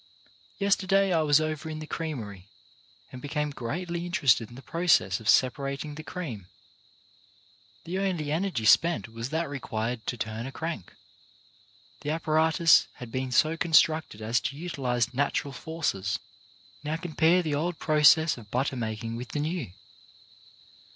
Yesterday I was over in the creamery and became greatly inter ested in the process of separating the cream. The only energy spent was that required to turn a crank. The apparatus had been so constructed as to utilize natural forces. Now compare the old process of butter making with the new.